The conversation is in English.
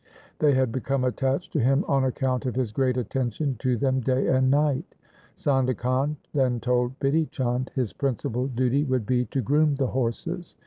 They had become attached to him on account of his great attention to them day and night. Sondha Khan then told Bidhi Chand his principal duty would be to groom the horses.